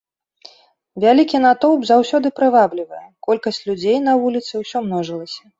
Вялікі натоўп заўсёды прываблівае, колькасць людзей на вуліцы ўсё множылася.